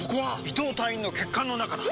伊藤隊員の血管の中だ！